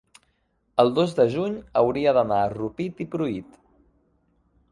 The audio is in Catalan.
el dos de juny hauria d'anar a Rupit i Pruit.